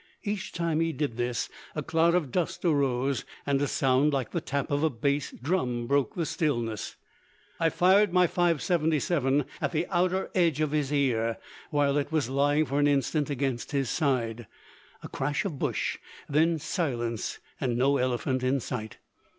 Each time he did this, a cloud of dust arose, and a sound like the tap of a bass drum broke the stillness. I fired my .577 at the outer edge of his ear while it was lying for an instant against his side. A crash of bush, then silence, and no elephant in sight.